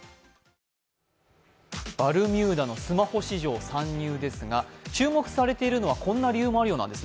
バルミューダのスマホ市場参入ですが、注目されているのはこんな理由もあるようなんです。